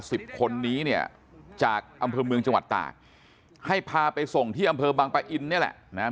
สิบคนนี้เนี่ยจากอำเภอเมืองจังหวัดตากให้พาไปส่งที่อำเภอบังปะอินเนี่ยแหละนะฮะ